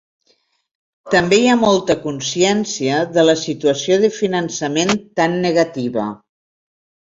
També hi ha molta consciència de la situació de finançament tan negativa.